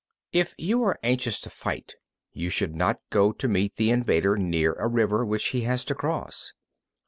5. If you are anxious to fight, you should not go to meet the invader near a river which he has to cross.